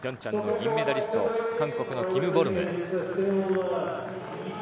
ピョンチャンの銀メダリスト、韓国のキム・ボルム。